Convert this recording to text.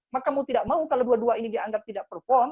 maka mau tidak mau kalau dua dua ini dianggap tidak perform